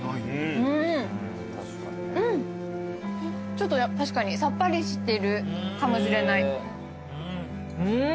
うんちょっと確かにさっぱりしてるかもしれない。うん！